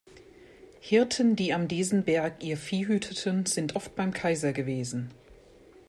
Hirten, die am Desenberg ihr Vieh hüteten, sind oft beim Kaiser gewesen.